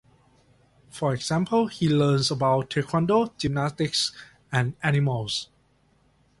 For example, he learns about taekwondo, gymnastics, and animals.